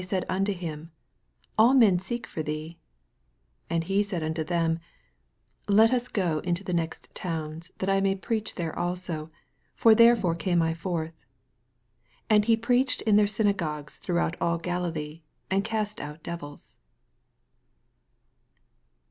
38 And he said unto them, Let ns go into the next towns, that I may preach there also : for therefore came I forth. 39 And he preached in their syna gogues throughout all Galilee, and cast out devils.